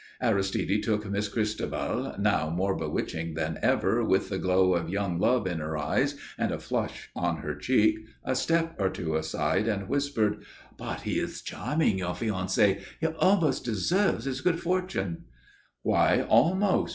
Aristide took Miss Christabel, now more bewitching than ever with the glow of young love in her eyes and a flush on her cheek, a step or two aside and whispered: "But he is charming, your fiancé! He almost deserves his good fortune." "Why almost?"